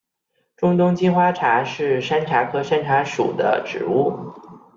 中东金花茶是山茶科山茶属的植物。